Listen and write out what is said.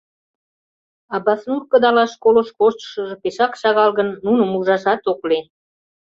Абаснур кыдалаш школыш коштшыжо пешак шагал гын, нуным ужашат ок лий.